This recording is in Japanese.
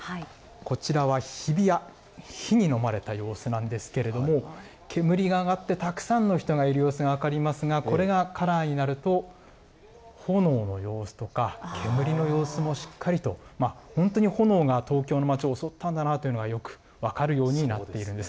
こちらは日比谷、火に飲まれた様子なんですけれども、煙が上がって、たくさんの人がいる様子が分かりますが、これがカラーになると、炎の様子とか、煙の様子もしっかりと、本当に炎が東京の町を襲ったんだなというのが、よく分かるようになっているんです。